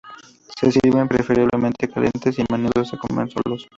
Se sirven preferiblemente calientes, y a menudo se comen solos.